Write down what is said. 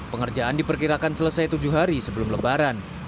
pengerjaan diperkirakan selesai tujuh hari sebelum lebaran